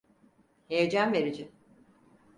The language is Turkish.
Heyecan verici.